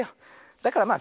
だからまあ